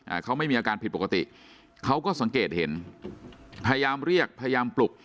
อ่าเขาไม่มีอาการผิดปกติเขาก็สังเกตเห็นพยายามเรียกพยายามปลุก